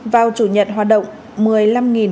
vào chủ nhật hoạt động một mươi năm